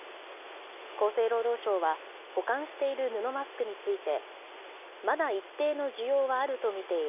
厚生労働省は、保管している布マスクについて、まだ一定の需要はあると見ている。